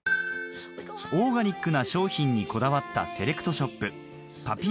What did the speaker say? オーガニックな商品にこだわったセレクトショップ